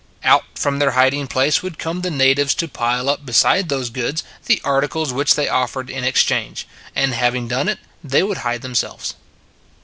Out from their hiding place would come the natives to pile up beside those goods the articles which they offered in exchange, and having done it they would hide them selves.